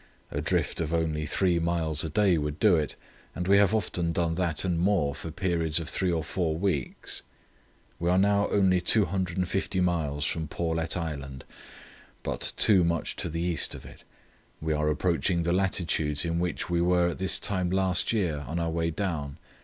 A drift of only three miles a day would do it, and we have often done that and more for periods of three or four weeks. "We are now only 250 miles from Paulet Island, but too much to the east of it. We are approaching the latitudes in which we were at this time last year, on our way down.